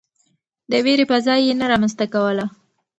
د وېرې فضا يې نه رامنځته کوله.